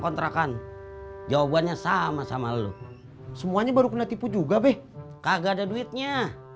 kontrakan jawabannya sama sama loh semuanya baru kena tipu juga beh kagak ada duitnya